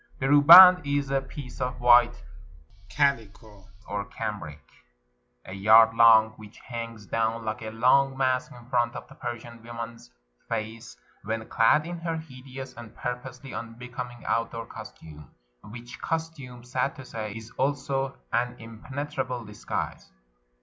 The ruh band is a piece of white calico or cambric, a yard long, which hangs down like a long mask in front of the Persian woman's face, when clad in her hideous and purposely unbecom ing outdoor costume : which costume, sad to say, is also an impenetrable disguise.